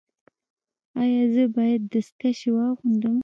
ایا زه باید دستکشې واغوندم؟